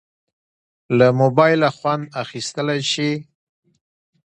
له موبایله خوند اخیستیلی شې.